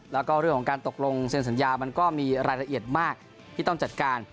แล้วก็เรื่องของการตกลงเซ็นสัญญามันก็มีรายละเอียดมากที่ต้องจัดการ